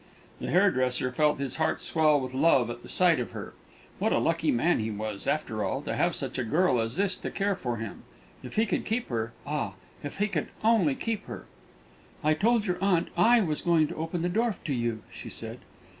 The hairdresser felt his heart swell with love at the sight of her. What a lucky man he was, after all, to have such a girl as this to care for him! If he could keep her ah, if he could only keep her! "I told your aunt I was going to open the door to you," she said.